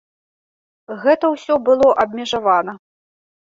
Гэта ўсё было абмежавана.